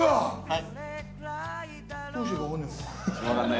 はい。